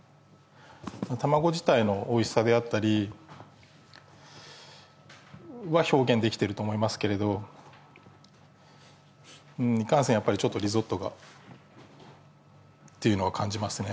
卵自体のおいしさであったりは表現できてると思いますけれどいかんせんやっぱりちょっとリゾットがっていうのは感じますね